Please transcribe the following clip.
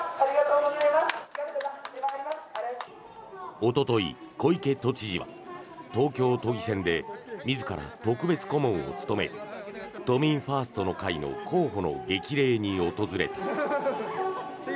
おととい、小池都知事は東京都議選で自ら特別顧問を務める都民ファーストの会の候補の激励に訪れた。